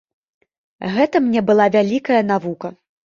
Гэта мне была вялікая навука.